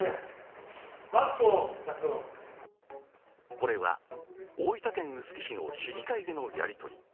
これは大分県臼杵市の市議会でのやりとり。